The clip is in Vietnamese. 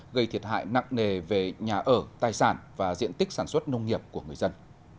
gây thiệt hại nặng nề về nhà ở tài sản và diện tích sản xuất nông nghiệp của người dân